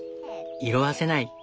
色あせない。